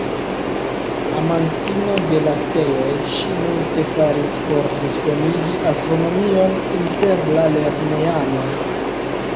Amantino de la steloj, ŝi multe faris por diskonigi astronomion inter la lernejanoj.